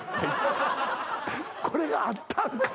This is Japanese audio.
これがあったんか？